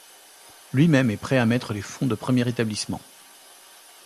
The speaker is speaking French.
Lui-même est prêt à mettre les fonds de premier établissement.